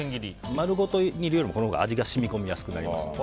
丸ごと煮るよりも、このほうが味が染み込みやすいです。